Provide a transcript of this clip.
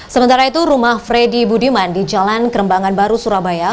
sementara itu rumah freddy budiman di jalan kerembangan baru surabaya